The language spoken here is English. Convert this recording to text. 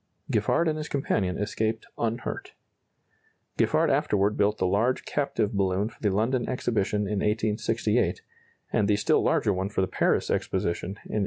Giffard and his companion escaped unhurt. Giffard afterward built the large captive balloon for the London Exhibition in 1868, and the still larger one for the Paris Exposition in 1878.